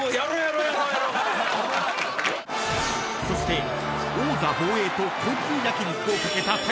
［そして］